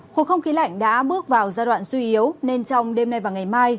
khối không khí lạnh đã bước vào giai đoạn suy yếu nên trong đêm nay và ngày mai